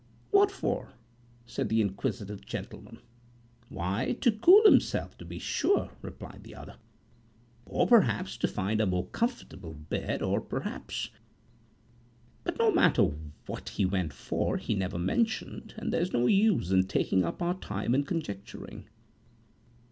"What for?" said the inquisitive gentleman."Why, to cool himself to be sure," replied the other, "or perhaps to find a more comfortable bed or perhaps but no matter what he went for he never mentioned; and there's no use in taking up our time in conjecturing."